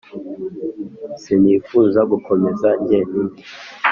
sinifuza gukomeza njyenyine,